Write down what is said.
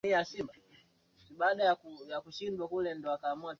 katika bara la Amerika Kaskazini kati ya Kanada upande wa